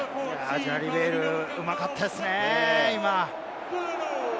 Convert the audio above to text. ジャリベール、うまかったですね、今。